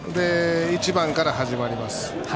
１番から始まります。